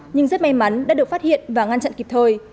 nhưng rất may mắn đã được phát hiện và ngăn chặn kịp thời